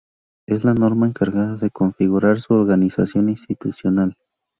Es la norma encargada de configurar su organización institucional.